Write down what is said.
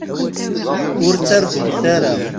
Ur ttargumt ara.